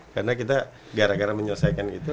karena kita gara gara menyelesaikan itu